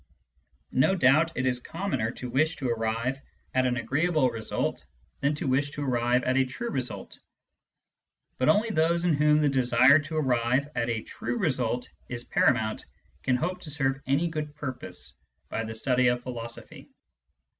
No doubt it is commoner to wish to arrive at an agreeable result than to wish to arrive at a true result. But only those in whom the desire to arrive at a true result is paramount can hope to serve any good purpose by the study of philosophy.